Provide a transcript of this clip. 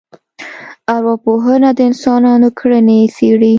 ارواپوهنه د انسانانو کړنې څېړي